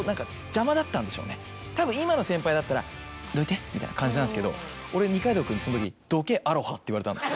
たぶん今の先輩だったら「どいて」みたいな感じなんですけど俺そのとき。って言われたんですよ。